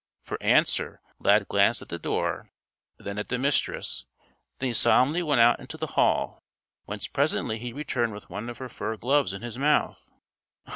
For answer Lad glanced at the door, then at the Mistress; then he solemnly went out into the hall whence presently he returned with one of her fur gloves in his mouth.